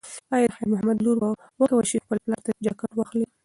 ایا د خیر محمد لور به وکولی شي خپل پلار ته جاکټ واخلي؟